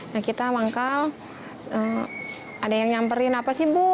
nah kita manggal ada yang nyamperin apa sih bu